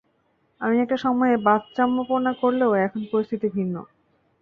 আমি একটা সময়ে বাচ্চামোপনা করলেও এখন পরিস্থিতি ভিন্ন।